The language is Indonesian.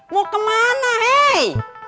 mau kemana hei